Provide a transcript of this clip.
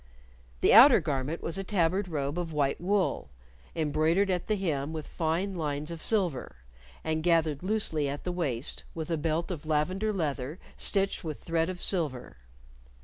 The outer garment was a tabard robe of white wool, embroidered at the hem with fine lines of silver, and gathered loosely at the waist with a belt of lavender leather stitched with thread of silver.